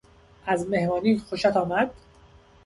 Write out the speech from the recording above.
از مهمانی خوشت آمد؟